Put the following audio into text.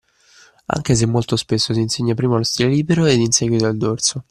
Anche se molto spesso si insegna prima lo stile libero ed in seguito il dorso.